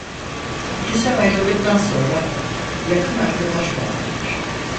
İkisi ayrıldıktan sonra yakın arkadaş kaldılar.